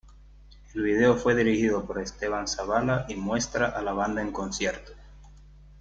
El vídeo fue Dirigido por Esteban Zabala y muestra a la banda en concierto.